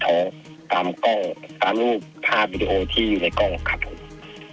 เอาตามกล้องตามรูปภาพวิดีโอที่อยู่ในกล้องครับผม